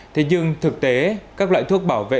thế nhưng thực tế các loại thuốc bảo vệ